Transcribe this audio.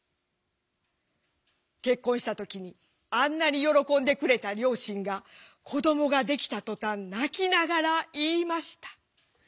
結婚した時にあんなに喜んでくれた両親が子どもができたとたん泣きながら言いました。